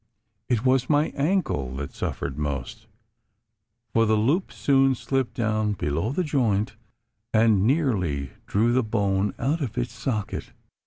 It was my ankle that suffered most for the loop soon slipped down below the joint, and nearly drew the bone out of its socket.